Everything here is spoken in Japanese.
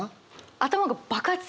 頭が爆発？